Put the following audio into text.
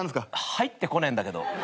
入ってこねえんだけど。